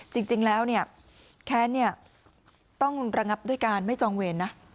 จริงแล้วเนี่ยแค้นต้องระงับด้วยการไม่จองเวรนะ